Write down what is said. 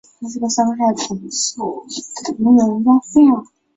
在七度的低温中去瀑布祈愿